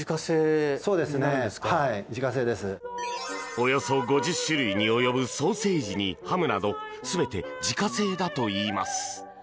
およそ５０種類に及ぶソーセージにハムなど全て自家製だといいます。